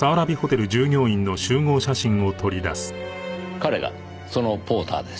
彼がそのポーターです。